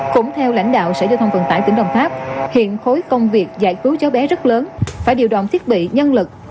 cũng theo lãnh đạo xây dựng thông vận tải tỉnh đồng tháp hiện khối công việc giải cứu cháu bé rất lớn phải điều đoàn thiết bị nhân lực